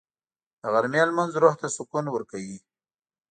د غرمې لمونځ روح ته سکون ورکوي